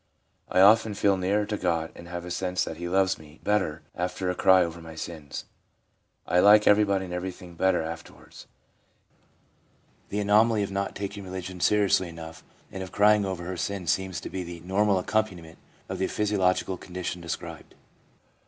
I often feel nearer to God and have a sense that He loves me better, after a cry over my sins. I like everybody and everything better after wards/ The anomaly of not taking religion seriously enough and of crying over her sins seems to be the normal accompaniment of the physiological condition described.